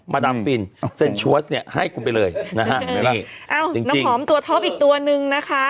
มาดำปินเนี้ยให้คุณไปเลยนะฮะนี่เอ้าน้ำหอมตัวท็อปอีกตัวหนึ่งนะคะ